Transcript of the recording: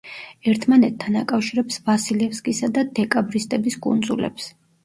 ერთმანეთთან აკავშირებს ვასილევსკისა და დეკაბრისტების კუნძულებს.